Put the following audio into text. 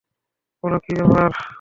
বলো, কি ব্যাপার?